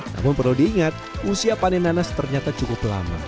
namun perlu diingat usia panen nanas ternyata cukup lama